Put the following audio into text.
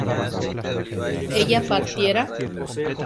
¿ella partiera?